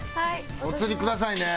お釣りくださいね。